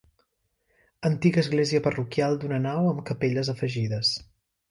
Antiga església parroquial d'una nau amb capelles afegides.